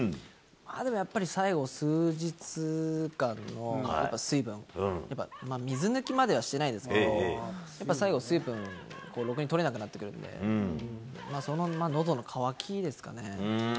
でもやっぱり最後、数日間の水分、やっぱり水抜きまではしてないですけど、やっぱ最後水分、ろくにとれなくなってくるんで、そののどの渇きですかね。